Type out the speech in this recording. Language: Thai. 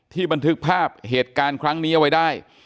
บันทึกภาพเหตุการณ์ครั้งนี้เอาไว้ได้